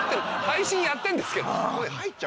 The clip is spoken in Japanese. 配信やってんですけど。